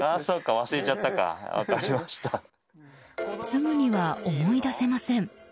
すぐには思い出せません。